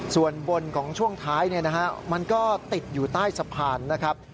ส่วนบนของช่วงท้ายมันก็ติดอยู่ใต้สะพานนะครับ